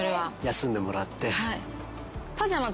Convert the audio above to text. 休んでもらって。